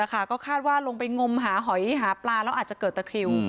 ก็คาดว่าลงไปงมหาหอยหาปลาแล้วอาจจะเกิดตะคริว